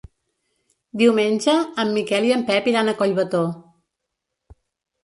Diumenge en Miquel i en Pep iran a Collbató.